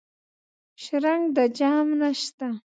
شرنګ د جام نشته